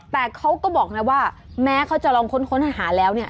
แต่เขาก็บอกนะว่าแม้เขาจะลองค้นหาแล้วเนี่ย